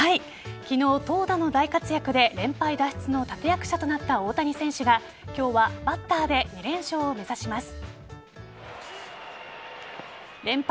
昨日、投打の大活躍で連敗脱出の立役者となった大谷選手が今日はバッターで２連勝を目指します。